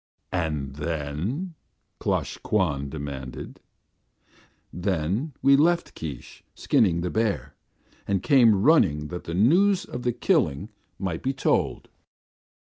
"And then?" Klosh Kwan demanded. "Then we left Keesh skinning the bear, and came running that the news of the killing might be told."